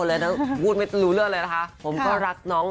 หล่อจนเลยอะ